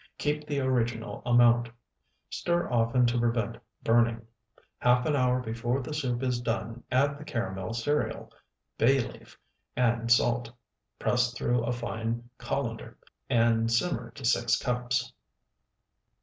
Keep the original amount. Stir often to prevent burning. Half an hour before the soup is done add the caramel cereal, bay leaf, and salt; press through a fine colander, and simmer to six cups.